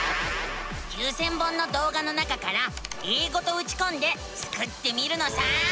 ９，０００本のどうがの中から「英語」とうちこんでスクってみるのさ！